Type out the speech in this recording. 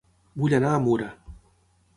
Vull anar a Mura